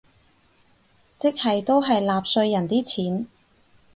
即係都係納稅人啲錢